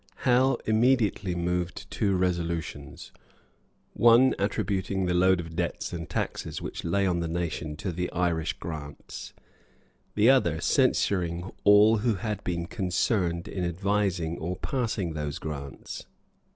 Howe immediately moved two resolutions; one attributing the load of debts and taxes which lay on the nation to the Irish grants; the other censuring all who had been concerned in advising or passing those grants.